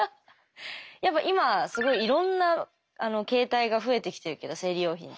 やっぱ今すごいいろんな形態が増えてきてるけど生理用品って。